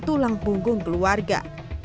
tulang punggung keluarga